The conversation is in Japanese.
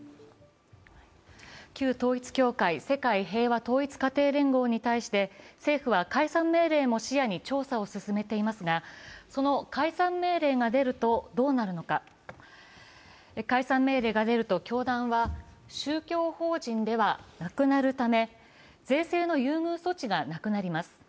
旧統一教会世界平和統一家庭連合に対して政府は解散命令も視野に調査を進めていますが、解散命令が出るとどうなるのか、解散命令が出ると教団は宗教法人ではなくなるため税制の優遇措置がなくなります。